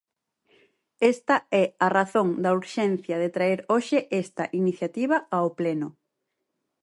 Esta é a razón da urxencia de traer hoxe esta iniciativa ao Pleno.